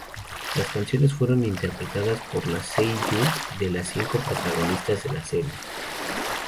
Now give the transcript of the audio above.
Las canciones fueron interpretadas por las seiyū de las cinco protagonistas de la serie.